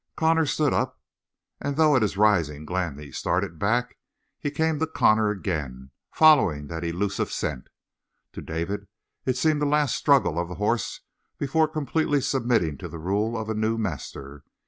Connor stood up, and though at his rising Glani started back, he came to Connor again, following that elusive scent. To David it seemed the last struggle of the horse before completely submitting to the rule of a new master.